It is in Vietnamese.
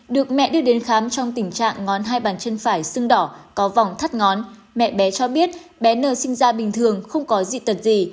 được mẹ đưa đến khám trong tình trạng ngón hai bàn chân phải sưng đỏ có vòng thắt ngón mẹ bé cho biết bé nờ sinh ra bình thường không có dị tật gì